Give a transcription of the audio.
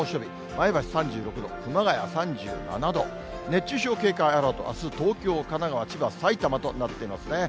前橋３６度、熊谷３７度、熱中症警戒アラート、あす、東京、神奈川、千葉、埼玉となっていますね。